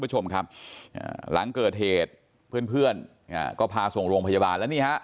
หลังเกิดเหตุเพื่อนก็พาส่งโรงพยาบาล